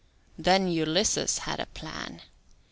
Then Ulysses had a plan.